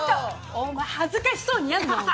お前、恥ずかしそうにやんな！